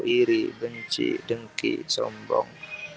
iri benci dengki sombong